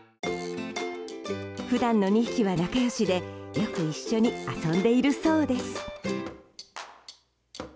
普段の２匹は仲良しでよく一緒に遊んでいるそうです。